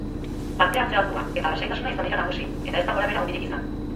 Parte-hartze altua eta lasaitasuna izan dira nagusi eta ez da gorabehera handirik izan.